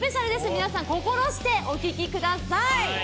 皆さん、心してお聞きください。